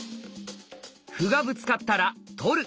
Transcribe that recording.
歩がぶつかったら「取る」。